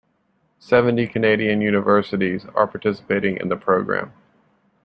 Seventy Canadian universities are participating in the program.